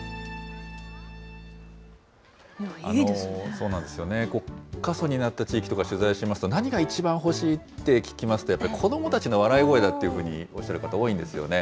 そうなんですよね、過疎になった地域とか取材してますと、何が一番欲しい？って聞きますと、やっぱり子どもたちの笑い声だっていうふうにおっしゃる方、多いんですよね。